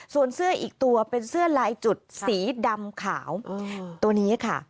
ส่วนเสื้ออีกตัวเป็นเสื้อลายจุดสีดำขาวตัวนี้ค่ะ